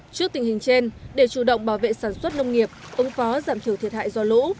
trước tình hình trên để chủ động bảo vệ sản xuất nông nghiệp ứng phó giảm thiểu thiệt hại do lũ